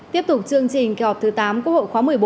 tiếp tục chương trình kỳ họp thứ tám quốc hội khóa một mươi bốn